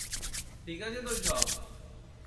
ঠিক আছে তো সব?